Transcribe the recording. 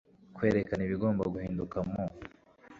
kwerekana ibigomba guhinduka mu